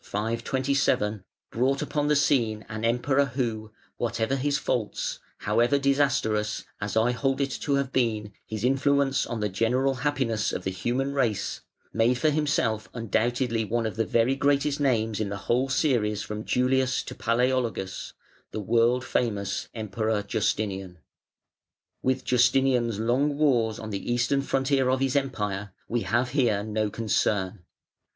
527) brought upon the scene an Emperor who, whatever his faults, however disastrous (as I hold it to have been) his influence on the general happiness of the human race, made for himself undoubtedly one of the very greatest names in the whole series from Julius to Palaeologus the world famous Emperor Justinian. With Justinian's long wars on the Eastern frontier of his Empire we have here no concern.